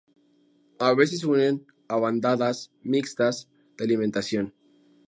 A veces se unen a bandadas mixtas de alimentación.